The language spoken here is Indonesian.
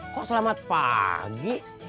kok selamat pagi